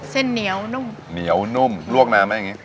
เส้นเหนียวนุ่มเหนียวนุ่มลวกนานไหมอย่างนี้